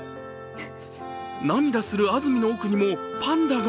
涙する安住の奥にもパンダが。